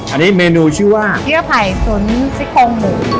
อันนี้เมนูชื่อว่าเยื่อไผ่ตุ๋นซิโคงหมู